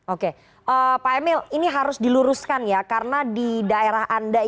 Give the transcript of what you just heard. oke pak emil ini harus diluruskan ya karena di daerah anda